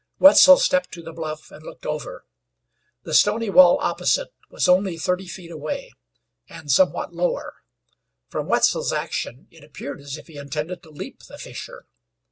Wetzel stepped to the bluff and looked over. The stony wall opposite was only thirty feet away, and somewhat lower. From Wetzel's action it appeared as if he intended to leap the fissure.